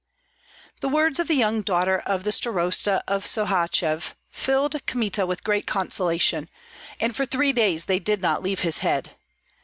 The words of the young daughter of the starosta of Sohachev filled Kmita with great consolation, and for three days they did not leave his head.